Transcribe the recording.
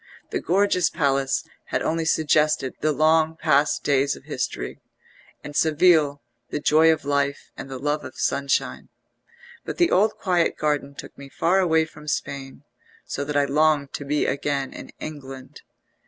The gorgeous palace had only suggested the long past days of history, and Seville the joy of life and the love of sunshine; but the old quiet garden took me far away from Spain, so that I longed to be again in England.